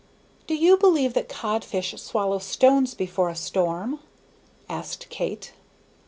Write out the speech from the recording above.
"Do you believe that codfish swallow stones before a storm?" asked Kate.